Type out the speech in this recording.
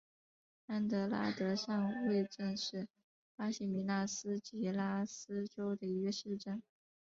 安德拉德上尉镇是巴西米纳斯吉拉斯州的一个市镇。